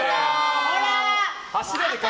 ほら！